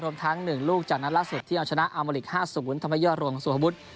รวมทั้ง๑ลูกจากนั้นล่ะเสร็จที่เอาชนะอาร์โมลิค๕๐ทำให้ย่อรวมสุภบุทธ์